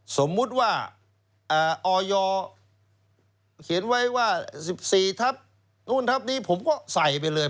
สมมุติว่าออยเขียนไว้ว่า๑๔ทับนู่นทัพนี้ผมก็ใส่ไปเลย